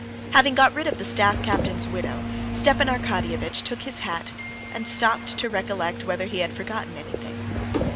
Having got rid of the staff captain's widow, Stepan Arkadyevitch took his hat and stopped to recollect whether he had forgotten anything.